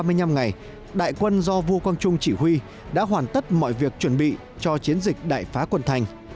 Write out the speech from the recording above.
trong vòng ba mươi năm ngày đại quân do vua quang trung chỉ huy đã hoàn tất mọi việc chuẩn bị cho chiến dịch đại phá quân thành